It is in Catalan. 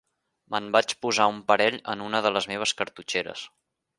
Me'n vaig posar un parell en una de les meves cartutxeres.